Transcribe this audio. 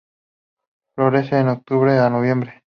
Florece de octubre a noviembre.